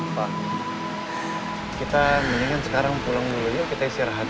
pak kita mendingan sekarang pulang dulu yuk kita istirahat